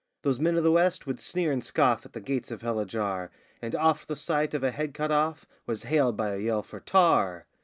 Those men of the West would sneer and scoff at the gates of hell ajar, And oft the sight of a head cut off was hailed by a yell for 'Tar!